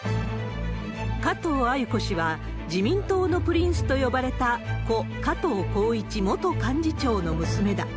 加藤鮎子氏は、自民党のプリンスと呼ばれた故・加藤紘一元幹事長の娘だ。